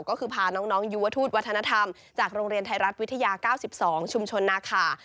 ก็คือพาน้องยูวทูตวัฒนธรรมจากโรงเรียนไทยรัฐวิทยา๙๒ชุมชนนาคา